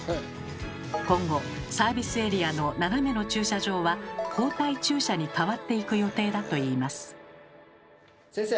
今後サービスエリアの斜めの駐車場は「後退駐車」に変わっていく予定だといいます。